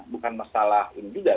bukan masalah ini juga